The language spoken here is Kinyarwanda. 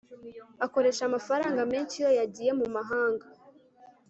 akoresha amafaranga menshi iyo yagiye mumahanga